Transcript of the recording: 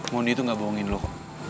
mondi itu gak bohongin lu kok